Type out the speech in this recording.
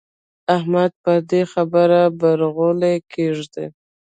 احمده پر دې خبره برغولی کېږده.